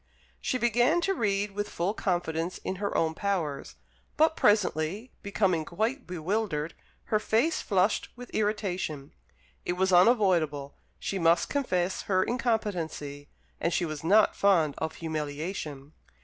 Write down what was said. She began to read with full confidence in her own powers; but presently, becoming quite bewildered, her face flushed with irritation. It was unavoidable: she must confess her incompetency, and she was not fond of humiliation.